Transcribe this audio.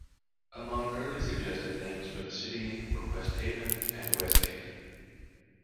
Among early suggested names for the city were West Haven and West Gate.